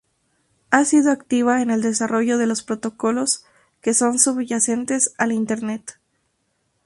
Ha sido activa en el desarrollo de los protocolos que son subyacentes al Internet.